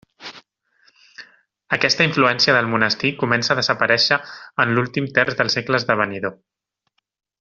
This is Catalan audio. Aquesta influència del monestir, comença a desaparèixer en l'últim terç del segle esdevenidor.